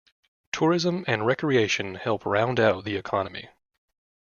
Tourism and recreation help round out the economy.